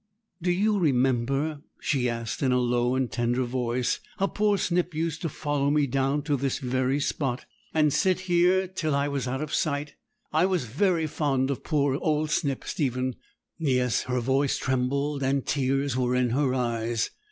'Do you remember,' she asked, in a low and tender voice, 'how poor Snip used to follow me down to this very spot, and sit here till I was out of sight? I was very fond of poor old Snip, Stephen!' Yes, her voice trembled, and tears were in her eyes.